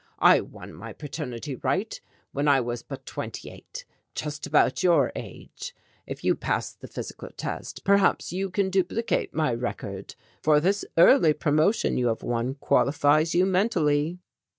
I won my paternity right, when I was but twenty eight, just about your age. If you pass the physical test, perhaps you can duplicate my record. For this early promotion you have won qualifies you mentally."